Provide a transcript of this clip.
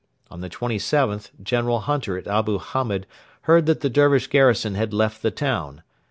On the 27th General Hunter at Abu Hamed heard that the Dervish garrison had left the town.